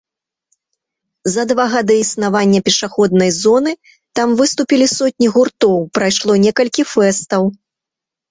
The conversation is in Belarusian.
За два гады існавання пешаходнай зоны там выступілі сотні гуртоў, прайшло некалькі фэстаў.